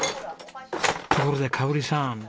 ところで香織さん。